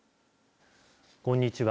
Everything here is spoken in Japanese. こんにちは。